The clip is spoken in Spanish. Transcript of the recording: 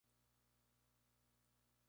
Emily Louisa nació en Ceilán.